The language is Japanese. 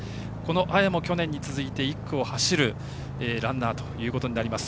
綾も去年に続いて１区を走るランナーとなります。